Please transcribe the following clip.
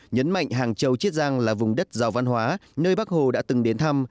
nhấn mạnh hàng châu chiết giang là vùng đất giàu văn hóa nơi bác hồ đã từng đến thăm